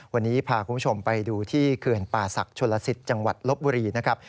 วันนี้พาคุณผู้ชมไปดูที่เขื่อนป่าศักดิ์ชนลสิตจังหวัดลบบุรีนะครับ